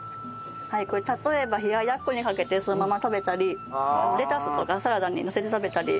これ例えば冷奴にかけてそのまま食べたりレタスとかサラダにのせて食べたり。